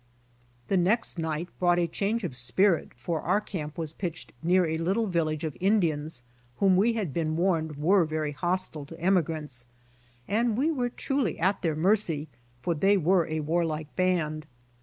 The next night brought a change of spirit for our camp was pitched near a little village of Indians whom we had been warned were very hostile to emi grants, and we were truly at their mercy for they were a warlike band.